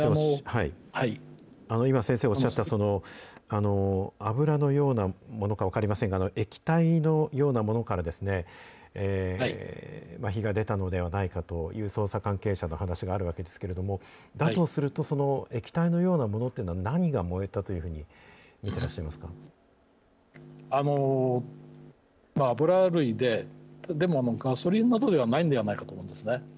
今、先生がおっしゃった油のようなものか分かりませんが、液体のようなものから、火が出たのではないかという捜査関係者の話があるわけですけれども、だとすると、その液体のようなものっていうのは、何が燃えたというふうに見て油類で、でも、ガソリンなどではないんではないかと思うんですね。